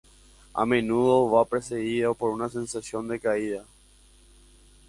A menudo va precedido por un sensación de caída.